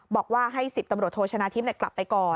บอกว่าให้๑๐ตำรวจโทชนะทิพย์กลับไปก่อน